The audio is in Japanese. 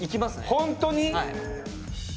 本当に？